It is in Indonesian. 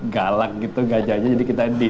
galang gitu gajahnya jadi kita